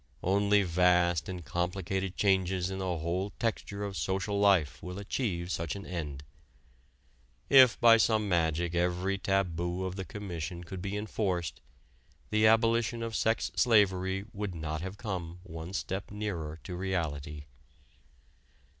Only vast and complicated changes in the whole texture of social life will achieve such an end. If by some magic every taboo of the commission could be enforced the abolition of sex slavery would not have come one step nearer to reality.